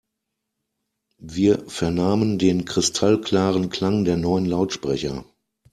Wir vernahmen den kristallklaren Klang der neuen Lautsprecher.